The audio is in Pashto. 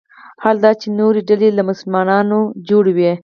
حال دا چې نورې ډلې له مسلمانانو جوړ وي.